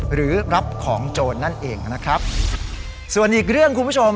หรือรับของโจรนั่นเองนะครับส่วนอีกเรื่องคุณผู้ชม